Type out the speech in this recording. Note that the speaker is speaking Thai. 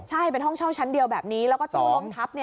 ใช่เป็นห้องเช่าชั้นเดียวแบบนี้แล้วก็ตัวล้มทับ